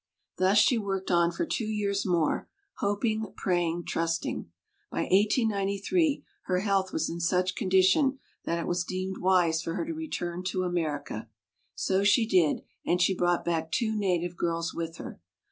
Thus she worked on for two years more hoping, praying, trusting. , By 1893 her health was in such condition that it was deemed wise for her to return to America. So she did, and she brought back two na tive girls with her.